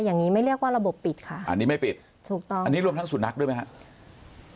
อย่างนี้ไม่เรียกว่าระบบปิดค่ะอันนี้ไม่ปิดถูกต้องอันนี้รวมทั้งสุนัขด้วยไหมครับ